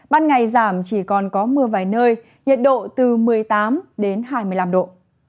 ban ngày giảm chỉ còn có mưa vài nơi nhiệt độ từ một mươi tám đến hai mươi năm độ